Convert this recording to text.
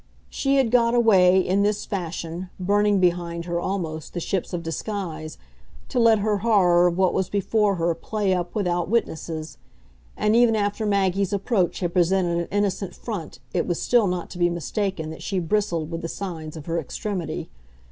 She had got away, in this fashion burning behind her, almost, the ships of disguise to let her horror of what was before her play up without witnesses; and even after Maggie's approach had presented an innocent front it was still not to be mistaken that she bristled with the signs of her extremity.